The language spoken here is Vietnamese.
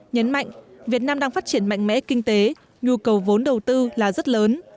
nhấn mạnh việt nam đang phát triển mạnh mẽ kinh tế nhu cầu vốn đầu tư là rất lớn